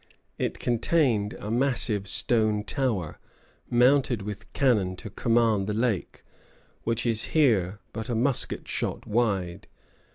It contained a massive stone tower, mounted with cannon to command the lake, which is here but a musket shot wide.